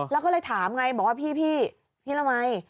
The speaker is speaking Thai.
แล้วก็เลยถามไงบอกว่าพี่พี่ละมัย